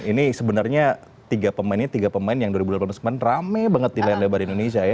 ini sebenarnya tiga pemainnya tiga pemain yang dua ribu sembilan belas dua ribu dua puluh rame banget di layar lebar indonesia ya